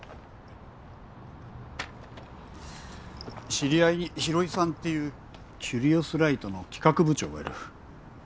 知り合いに廣井さんっていう「キュリオスライト」の企画部長がいる。